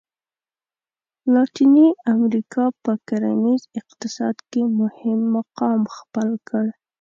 لاتیني امریکا په کرنیز اقتصاد کې مهم مقام خپل کړ.